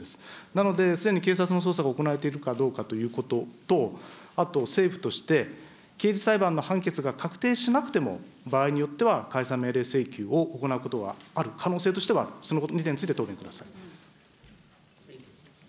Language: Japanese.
なので、すでに警察の捜査が行われているかどうかということと、あと政府として、刑事裁判の判決が確定しなくても、場合によっては解散命令請求を行うことはある、可能性としてはある、その２点について答弁ください。